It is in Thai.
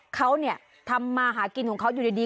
เขาเนี่ยทำมาหากินของเขาอยู่ดี